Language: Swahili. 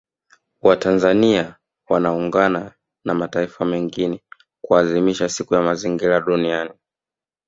Watanzania wanaungana na mataifa mengine kuadhimisha Siku ya Mazingira Duniani